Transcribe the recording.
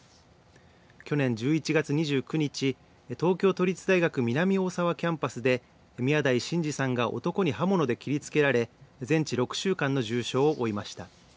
去年１１月２９日、東京都立大学南大沢キャンパスで宮台真司さんが男に刃物で切りつけられ全治６週間の重傷を負いました。